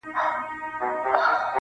خو درد لا پاتې وي ډېر-